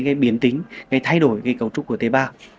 gây biến tính gây thay đổi cấu trúc của tế bào